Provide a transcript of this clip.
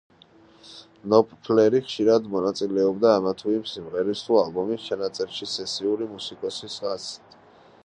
ნოპფლერი ხშირად მონაწილეობდა ამა თუ იმ სიმღერის თუ ალბომის ჩაწერაში სესიური მუსიკოსის სახით.